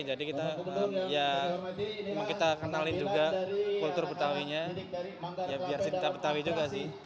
jadi kita kenalin juga kultur betawinya ya biar kita betawi juga sih